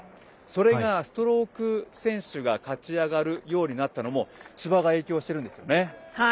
それがストローク選手が勝ち上がるようになったのも芝が影響してるんですよね。